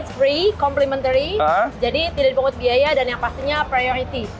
x free complementary jadi tidak dipungut biaya dan yang pastinya priority